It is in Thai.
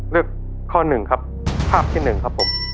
เลือกข้อหนึ่งครับภาพที่๑ครับผม